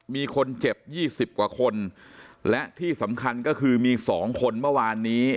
มีคนเจ็บ๒๐กว่าคนและที่สำคัญก็คือมีสองคนเมื่อวานนี้